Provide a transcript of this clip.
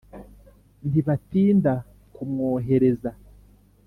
Ntibatinda kumwohereza.